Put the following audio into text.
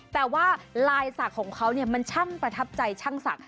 แต่ว่าลายสักของเขาเนี่ยมันช่างประทับใจช่างสัก